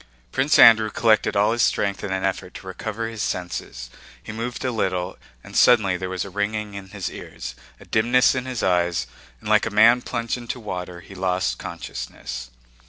Prince Andrew collected all his strength in an effort to recover his senses, he moved a little, and suddenly there was a ringing in his ears, a dimness in his eyes, and like a man plunged into water he lost consciousness.